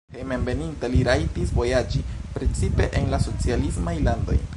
Hejmenveninta li rajtis vojaĝi precipe en la socialismaj landoj.